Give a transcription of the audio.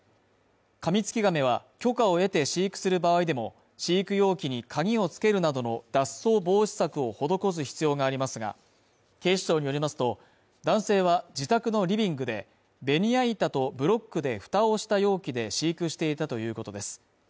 カミツキガメは許可を得て飼育する場合でも、飼育容器に鍵をつけるなどの脱走防止策を施す必要がありますが、警視庁によりますと、男性は自宅のリビングでベニヤ板とブロックで蓋をした容器で飼育していたということです。